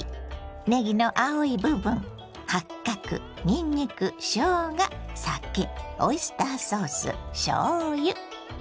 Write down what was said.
ねぎの青い部分八角にんにくしょうが酒オイスターソースしょうゆ。